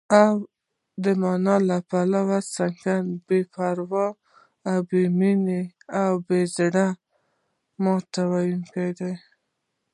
او د مانا له پلوه، سنګدله، بې پروا، بې مينې او د زړه ماتوونکې